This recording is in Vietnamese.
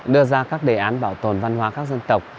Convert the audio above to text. đưa ra các đề án bảo tồn văn hóa các dân tộc